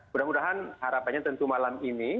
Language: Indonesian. mudah mudahan harapannya tentu malam ini